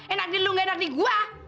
enak di lu nggak enak di gua